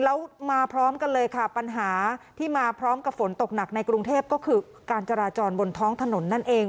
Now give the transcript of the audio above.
แล้วมาพร้อมกันเลยค่ะปัญหาที่มาพร้อมกับฝนตกหนักในกรุงเทพก็คือการจราจรบนท้องถนนนั่นเอง